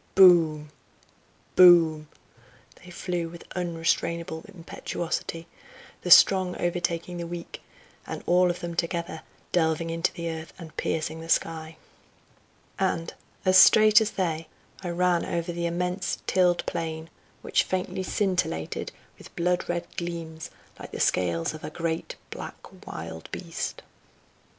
boom! boom!" they flew with unrestrainable impetuosity, the strong overtaking the weak, and all of them together delving into the earth and piercing the sky. And, as straight as they, I ran over the immense tilled plain, which faintly scintillated with blood red gleams like the scales of a great black wild beast.